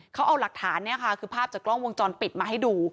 เขาเอาหลักฐานเนี่ยค่ะคือภาพจากกล้องวงจรปิดมาให้ดู